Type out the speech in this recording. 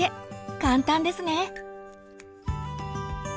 簡単ですね。